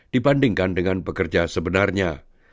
dibandingkan dengan pekerja sebenarnya